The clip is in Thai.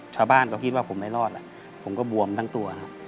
ชาวบ้านก็คิดว่าผมไม่รอดผมก็บวมทั้งตัวครับ